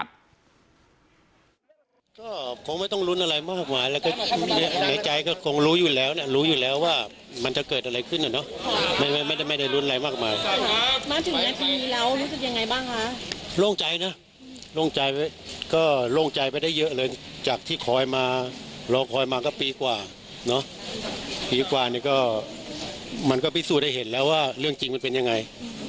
อศบ๊วยบุรุษยังไม่รู้ว่าอะไรก็จะสามารถต้องคุ้นสั่งมาให้และปริ้งพี่กวานก็เห็นแล้วว่าเรื่องจริงมันเป็นยังไง